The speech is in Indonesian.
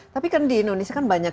tapi kan di indonesia kan banyak